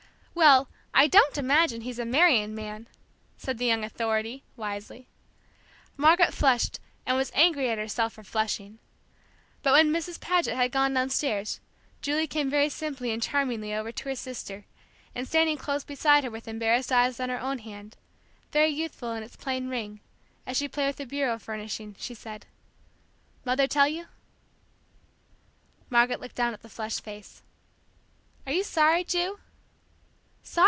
"Well, I don't imagine he's a marrying man," said the young authority, wisely. Margaret flushed, and was angry at herself for flushing. But when Mrs. Paget had gone downstairs, Julie came very simply and charmingly over to her sister, and standing close beside her with embarrassed eyes on her own hand, very youthful in its plain ring, as she played with the bureau furnishing, she said: "Mother tell you?" Margaret looked down at the flushed face. "Are you sorry, Ju?"